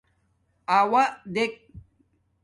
اݸا دیکھ